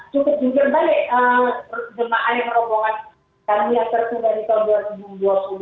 cukup jujur balik jemaah yang rombongan kami yang tertunda di tahun dua ribu dua puluh